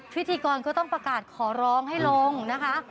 พิธีกรก็ต้องประกาศขอร้องให้ลงนะคะ